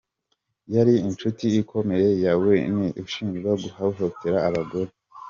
Yari inshuti ikomeye ya Weinstein ushinjwa guhohotera abagore.